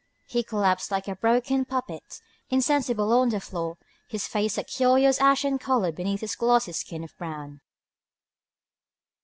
He collapsed like a broken puppet, insensible on the floor, his face a curious ashen colour beneath its glossy skin of brown.